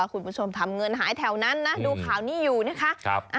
คุณผู้ชมทำเงินหายแถวนั้นนะดูข่าวนี้อยู่นะคะ